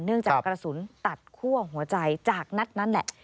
จากกระสุนตัดคั่วหัวใจจากนัดนั้นแหละ